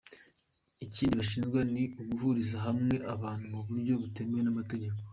Ikindi bashinjwa ni uguhuriza hamwe abantu mu buryo butemewe n’amategeko.